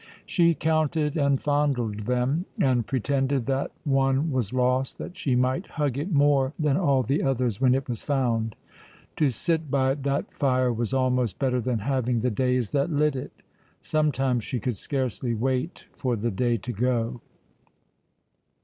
She counted and fondled them, and pretended that one was lost that she might hug it more than all the others when it was found. To sit by that fire was almost better than having the days that lit it; sometimes she could scarcely wait for the day to go.